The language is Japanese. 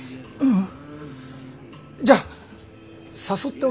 うん。